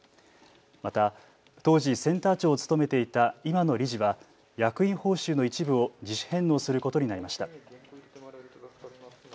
また当時、センター長を務めていた今の理事は役員報酬の一部を自主返納することになりました。